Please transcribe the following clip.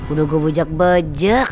udah gue bujak bojak